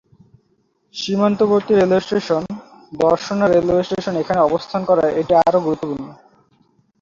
সীমান্তবর্তী rail station Darshana railway station এখানে অবস্থান করায় এটি আরও গুরুত্বপূর্ণ।